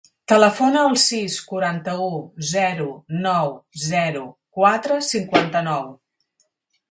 Telefona al sis, quaranta-u, zero, nou, zero, quatre, cinquanta-nou.